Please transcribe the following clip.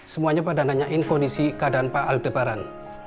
semuanya pada nanyain kondisi keadaan pak al debaran